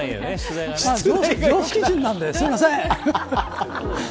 常識人なんで、すみません。